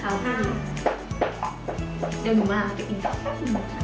เดี๋ยวหมูมากก็ไปกินก่อน